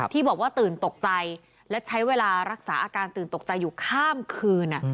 ที่บอกว่าตื่นตกใจและใช้เวลารักษาอาการตื่นตกใจอยู่ข้ามคืน